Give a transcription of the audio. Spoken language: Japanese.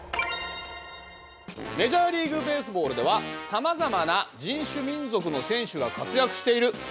「メジャーリーグベースボールではさまざまな人種・民族の選手が活躍している。